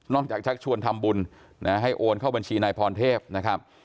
จากชักชวนทำบุญให้โอนเข้าบัญชีนายพรเทพนะครับ